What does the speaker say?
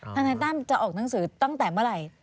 ทนายตั้มจะออกหนังสือตั้งแต่เมื่อไหร่